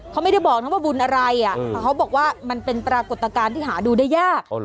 เขาไม่ได้บอกนะว่าบุญอะไรแต่เขาบอกว่ามันเป็นปรากฏการณ์ที่หาดูได้ยาก